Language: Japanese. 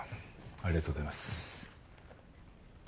ありがとうございます。